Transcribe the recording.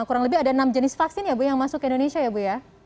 kurang lebih ada enam jenis vaksin yang masuk ke indonesia ya bu